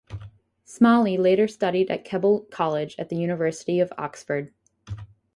Smalley later studied at Keble College at the University of Oxford.